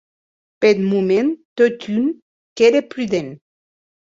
Peth moment, totun, qu’ère prudent.